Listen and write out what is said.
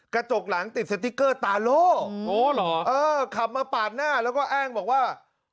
กระจกหลังติดสติ๊กเกอร์ตาโล่เหรอเออขับมาปาดหน้าแล้วก็อ้างบอกว่า